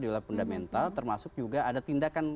di wilayah fundamental termasuk juga ada tindakan